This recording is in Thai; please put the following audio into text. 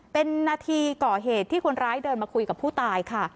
เป็นนาทีก่อเหตุที่คนร้ายเดินมาคุยกับผู้ตายค่ะ